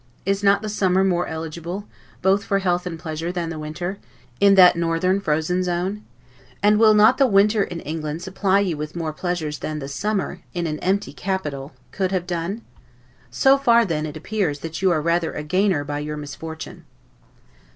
Is not the summer more eligible, both for health and pleasure, than the winter, in that northern frozen zone? And will not the winter in England supply you with more pleasures than the summer, in an empty capital, could have done? So far then it appears, that you are rather a gainer by your misfortune.